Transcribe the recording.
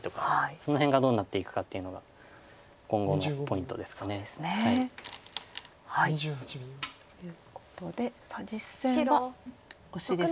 その辺がどうなっていくかっていうのが今後のポイントです。ということで実戦はオシですね。